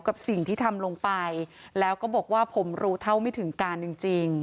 กับสิ่งที่ทำลงไปแล้วก็บอกว่าผมรู้เท่าไม่ถึงการจริง